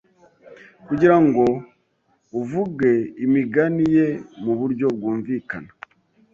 kugirango avuge imigani ye muburyo bwumvikana.